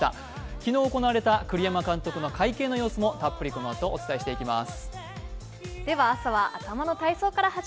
昨日行われた栗山監督の会見の様子もたっぷりとこのあとお伝えしていきます。